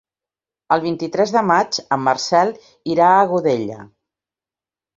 El vint-i-tres de maig en Marcel irà a Godella.